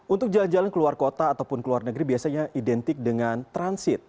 untuk jalan jalan keluar kota ataupun ke luar negeri biasanya identik dengan transit